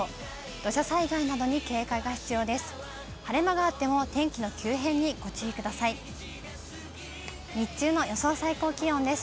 土砂災害などに警戒が必要です。